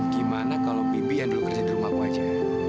gimana kalau bibi yang dulu kerja di rumah aja